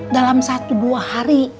dalam satu dua hari